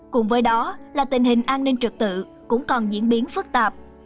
cùng với đó là tình hình an ninh trật tự cũng còn diễn biến phức tạp